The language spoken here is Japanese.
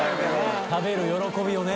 食べる喜びをね。